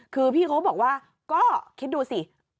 คือพี่เขาบอกว่าก็คิดดูสิ